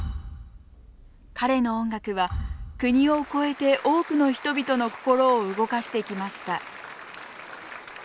彼の音楽は国を超えて多くの人々の心を動かしてきました